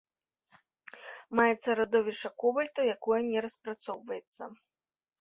Маецца радовішча кобальту, якое не распрацоўваецца.